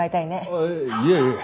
あっいえいえ。